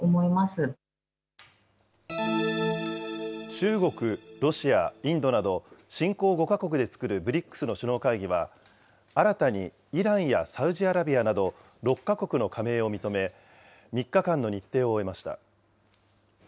中国、ロシア、インドなど、新興５か国で作るＢＲＩＣＳの首脳会議は、新たにイランやサウジアラビアなど６か国の加盟を認め、３日間の日程を終えました。